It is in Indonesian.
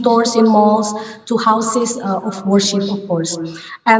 ke rumah rumah dan kemudahan di jalanan